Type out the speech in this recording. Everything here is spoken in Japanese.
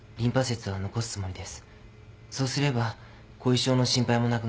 そうすれば後遺症の心配もなくなり